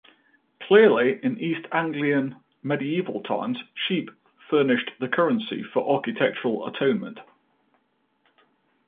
Clearly in East Anglian medieval times, sheep furnished the currency for architectural atonement.